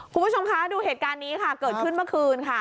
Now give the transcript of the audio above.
คุณผู้ชมคะดูเหตุการณ์นี้ค่ะเกิดขึ้นเมื่อคืนค่ะ